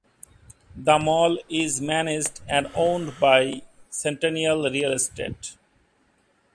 The mall is managed and owned by Centennial Real Estate.